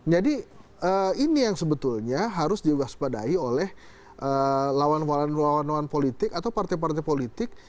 jadi ini yang sebetulnya harus diwaspadai oleh lawan lawan politik atau partai partai politik